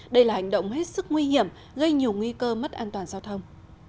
đây là hành động hết sức nguy hiểm gây nhiều nguy cơ mất an toàn giao thông